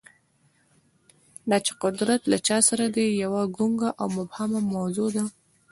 دا چې قدرت له چا سره دی، یوه ګونګه او مبهمه موضوع ده.